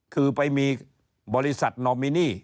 คือไปมีบริษัทนอมินี